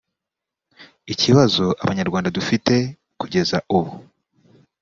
Ikibazo abanyarwanda dufite kugeza ubu